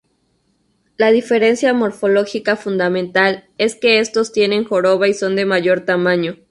La diferencia morfológica fundamental, es que estos tienen joroba y son de mayor tamaño.